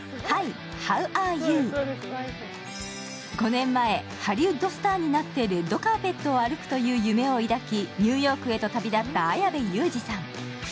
５年前、ハリウッドスターになって、レッドカーペットを歩くという夢を抱き、ニューヨークへと旅だった綾部祐二さん。